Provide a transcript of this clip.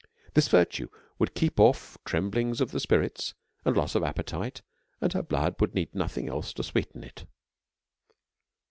This virtue would keep oft' tremblings of the spirits and loss of appetite, and her blood would need nothing else to sweeten it.